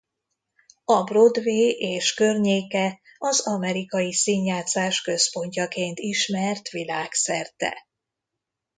A Broadway és környéke az amerikai színjátszás központjaként ismert világszerte.